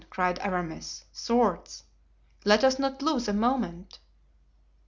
cried Aramis, "swords! let us not lose a moment."